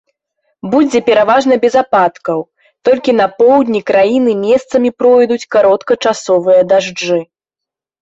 Будзе пераважна без ападкаў, толькі на поўдні краіны месцамі пройдуць кароткачасовыя дажджы.